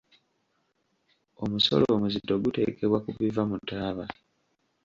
Omusolo omuzito guteekebwa ku biva mu taaba.